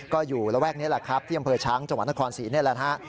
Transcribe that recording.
ก็อยู่ระแวกนี้ประเภทช้างจังหวัดนคร๔นี่ล่ะ